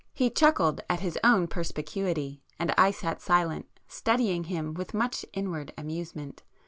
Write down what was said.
He chuckled at his own perspicuity, and I sat silent, studying him with much inward amusement.